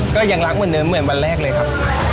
ก็ยังรักเหมือนเดิมเหมือนวันแรกเลยครับ